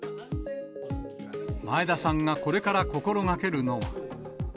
前田さんがこれから心がけるのは。